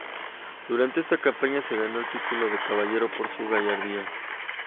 Durante esa campaña se ganó el título de Caballero por su gallardía.